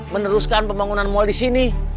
meneruskan pembangunan mall disini